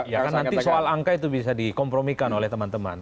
ya kan nanti soal angka itu bisa dikompromikan oleh teman teman